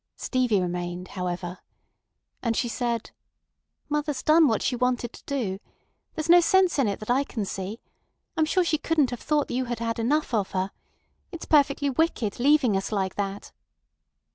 Stevie remained, however. And she said: "Mother's done what she wanted to do. There's no sense in it that I can see. I'm sure she couldn't have thought you had enough of her. It's perfectly wicked, leaving us like that."